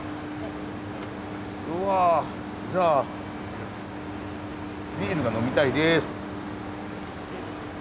うわじゃあビールが呑みたいです。